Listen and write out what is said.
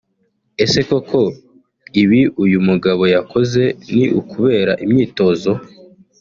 Ese koko ibi uyu mugabo yakoze ni ukubera imyitozo